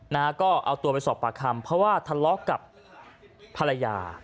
นะฮะก็เอาตัวไปสอบปากคำเพราะว่าทะเลาะกับภรรยา